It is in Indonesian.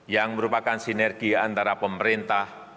yang merupakan sinergi antara pemerintah